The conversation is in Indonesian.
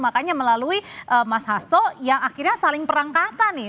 makanya melalui mas hasto yang akhirnya saling perang kata nih